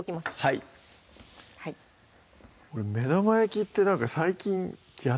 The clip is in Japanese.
はい俺目玉焼きってなんか最近やってないな